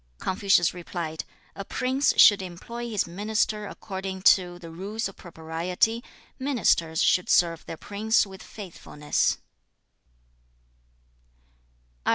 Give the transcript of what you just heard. Confucius replied, 'A prince should employ his minister according to according to the rules of propriety; ministers should serve their prince with faithfulness.'